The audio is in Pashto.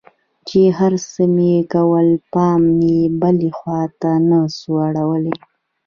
چې هرڅه مې کول پام مې بلې خوا ته نه سو اړولى.